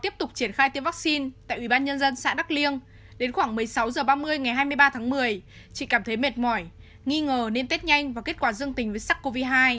trạm triển khai tiêm vaccine tại ủy ban nhân dân xã đắk liêng đến khoảng một mươi sáu h ba mươi ngày hai mươi ba tháng một mươi chị cảm thấy mệt mỏi nghi ngờ nên tết nhanh và kết quả dương tình với sắc covid một mươi chín